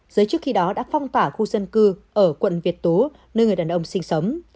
giới chức khi đó đã phong tỏa khu dân cư ở quận việt tú nơi người đàn ông sinh sống